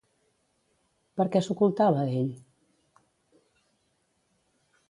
Per què s'ocultava ell?